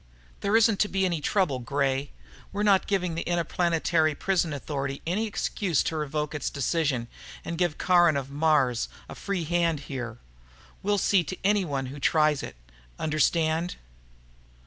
"There isn't to be any trouble, Gray. We're not giving the Interplanetary Prison Authority any excuse to revoke its decision and give Caron of Mars a free hand here. We'll see to anyone who tries it. Understand?"